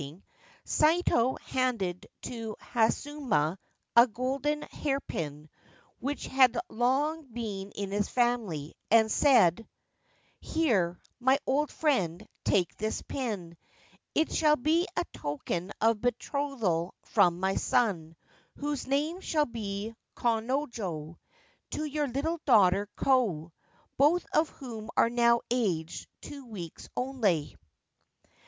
I I Ancient Tales and Folklore of Japan babies more binding, Saito handed to Hasunuma a golden hairpin which had long been in his family, and said :' Here, my old friend, take this pin. It shall be a token of betrothal from my son, whose name shall be Konojo, to your little daughter Ko, both of whom are now aged two weeks only.